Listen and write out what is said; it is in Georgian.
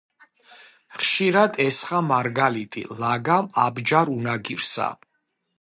ხშირად ესხა მარგალიტი ლაგამ აბჯარ-უნაგირსა